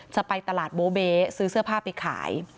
จะไปตลาดโบเบ๊ซื้อเสื้อผ้าไปขาย